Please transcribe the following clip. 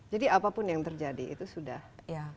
jadi apapun yang terjadi itu sudah ya